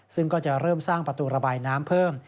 ซึ่งก็จะเริ่มสร้างประตูระบายน้ำเพิ่ม